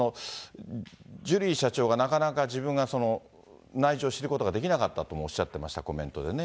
ジュリー社長がなかなか自分がその内情を知ることができなかったともおっしゃっていました、コメントでね。